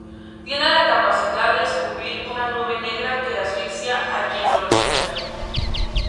Tiene la capacidad de escupir una nube negra que asfixia a quien lo respira.